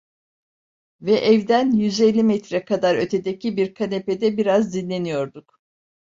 Ve evden yüz elli metre kadar ötedeki bir kanepede biraz dinleniyorduk.